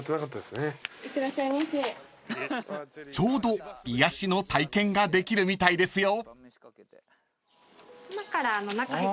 ［ちょうど癒やしの体験ができるみたいですよ］